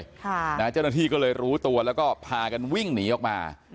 เจ้าหน้าที่เรารู้ตัวแล้วทายกันวิ่งอยากมา